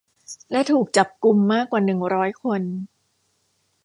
และถูกจับกุมมากกว่าหนึ่งร้อยคน